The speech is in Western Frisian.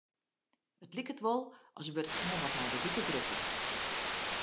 It liket wol as wurdt it oanbod mei de wike grutter.